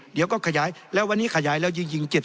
เดี๋ยวก็ขยายแล้ววันนี้ขยายแล้วยิง๗๐